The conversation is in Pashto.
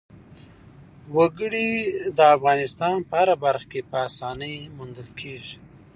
وګړي د افغانستان په هره برخه کې په اسانۍ موندل کېږي.